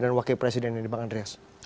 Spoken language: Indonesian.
dan wakil presiden ini bang andreas